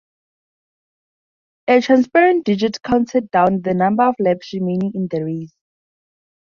A transparent digit counted down the number of laps remaining in the race.